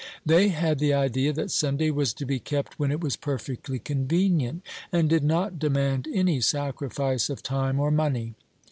They had the idea that Sunday was to be kept when it was perfectly convenient, and did not demand any sacrifice of time or money.